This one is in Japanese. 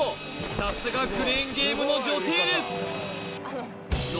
さすがクレーンゲームの女帝ですノ